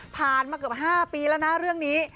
ผ่านมาเกือบ๕ปีแล้วนะเรื่องนี้